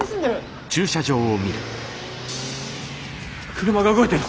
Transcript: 車が動いてる！